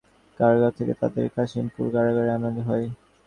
গতকাল শনিবার চট্টগ্রাম কেন্দ্রীয় কারাগার থেকে তাঁদের কাশিমপুর কারাগারে আনা হয়।